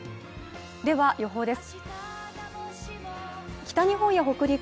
では予報です。